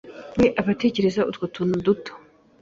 we aba atekereza utwo tuntu duto